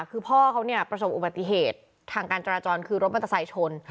คือพ่อเขาเนี่ยประสบอุบัติเหตุทางการจราจรคือรถมอเตอร์ไซค์ชน